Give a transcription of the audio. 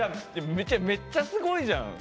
めっちゃすごいじゃん！